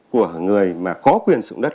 của người mà có quyền sử dụng đất